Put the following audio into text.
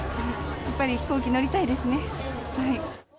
やっぱり飛行機乗りたいですね。